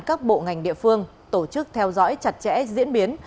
các bộ ngành địa phương tổ chức theo dõi chặt chẽ diễn biến